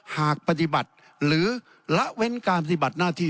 หากปฏิบัติหรือละเว้นการปฏิบัติหน้าที่